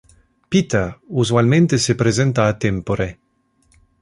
Peter usualmente se presenta a tempore.